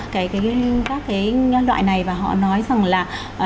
các cái loại này và họ nói rằng là